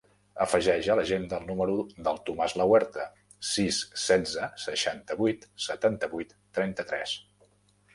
Afegeix a l'agenda el número del Tomàs Lahuerta: sis, setze, seixanta-vuit, setanta-vuit, trenta-tres.